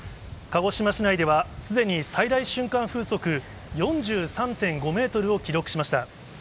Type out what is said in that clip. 鹿児島市内では、すでに最大瞬間風速４３．５メートルを記録しました。